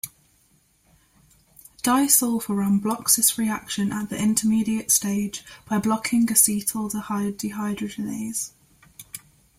Disulfiram blocks this reaction at the intermediate stage by blocking acetaldehyde dehydrogenase.